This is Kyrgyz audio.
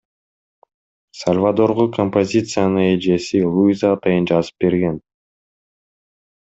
Сальвадорго композицияны эжеси Луиза атайын жазып берген.